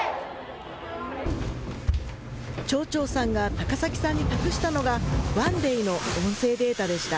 チョーチョーさんが高崎さんに託したのが、ＯＮＥＤＡＹの音声データでした。